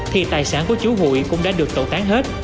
thì tài sản của chủ hùi cũng đã được tẩu tán hết